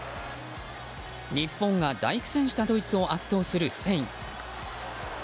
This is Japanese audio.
日本が大苦戦したドイツを圧倒するスペイン。